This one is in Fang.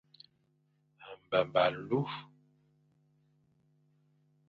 Mbemba alu.